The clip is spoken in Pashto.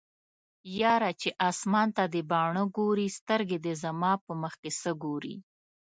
یاره چې اسمان ته دې باڼه ګوري سترګې دې زما په مخکې څه ګوري